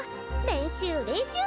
練習練習！